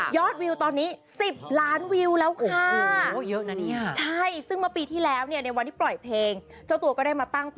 วิวตอนนี้๑๐ล้านวิวแล้วค่ะ